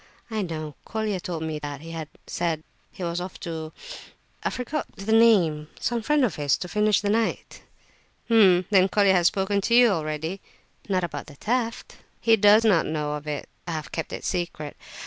"I know, Colia told me that he had said he was off to—I forget the name, some friend of his, to finish the night." "H'm! then Colia has spoken to you already?" "Not about the theft." "He does not know of it; I have kept it a secret.